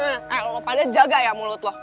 eh lo pada jaga ya mulut lo